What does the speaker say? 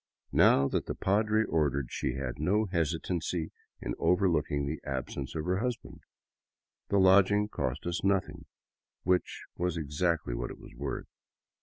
Now that the padre ordered, she had no hesitancy in overlooking the absence of her husband. The lodging cost us nothing, which was exactly what it was worth.